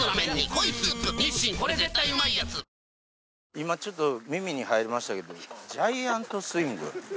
今ちょっと、耳に入りましたけど、ジャイアントスイング？